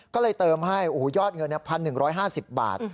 ก็เลยเติมให้โอ้โหยอดเงินเนี่ย๑๑๕๐บาท